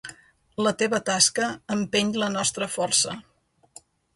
La teva tasca empeny la nostra força.